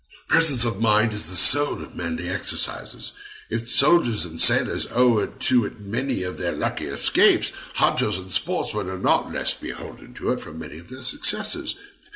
Presence of mind is the soul of manly exercises. If soldiers and sailors owe to it many of their lucky escapes, hunters and sportsmen are not less beholden to it for many of their successes.